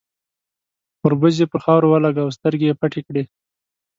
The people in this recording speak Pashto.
، وربوز يې پر خاورو ولګاوه، سترګې يې پټې کړې.